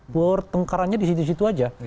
buur tengkarannya di situ situ saja